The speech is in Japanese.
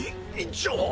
じゃあ。